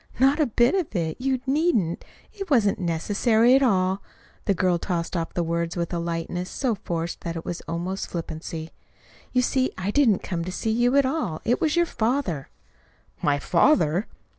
"Not a bit of it! You needn't. It wasn't necessary at all." The girl tossed off the words with a lightness so forced that it was almost flippancy. "You see, I didn't come to see you at all. It was your father." "My father!"